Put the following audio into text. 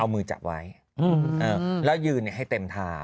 เอามือจับไว้อืออืมเออแล้วยืนให้เต็มเท้า